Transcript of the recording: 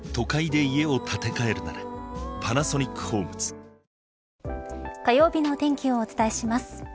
本麒麟火曜日のお天気をお伝えします。